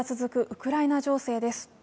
ウクライナ情勢です。